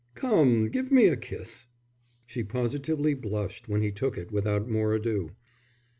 "Come, give me a kiss." She positively blushed when he took it without more ado.